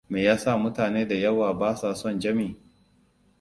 Me yasa mutane da yawa basa son Jami?